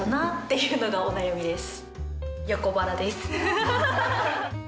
いうのがお悩みです。